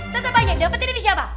tante tante dapetin ini siapa